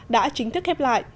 đã chính thức khép lại